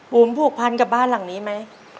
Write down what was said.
ผูกพันกับบ้านหลังนี้ไหม